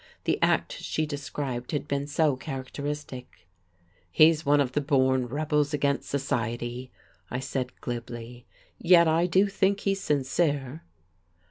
The act she described had been so characteristic. "He's one of the born rebels against society," I said glibly. "Yet I do think he's sincere."